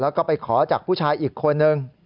แล้วก็ไปขอจากผู้ชายอีกคนนึง